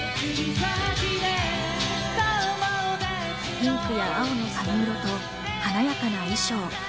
ピンクや青の髪色と華やかな衣装。